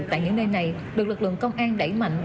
tại những nơi này được lực lượng công an đẩy mạnh